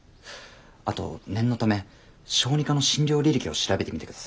あと念のため小児科の診療履歴を調べてみて下さい。